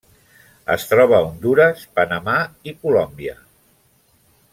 Es troba a Hondures, Panamà i Colòmbia.